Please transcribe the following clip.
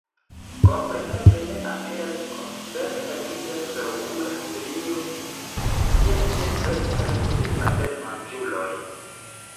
Kompreneble ne aperas kontrasta nigra traokula strio, kiel ĉe plej parto de abelmanĝuloj.